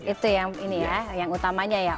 itu yang ini ya yang utamanya ya